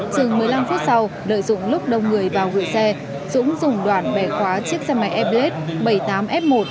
chừng một mươi năm phút sau đợi dũng lúc đông người vào gửi xe dũng dùng đoạn bẻ khóa chiếc xe máy airblade bảy mươi tám f một ba mươi ba nghìn bảy trăm một mươi bảy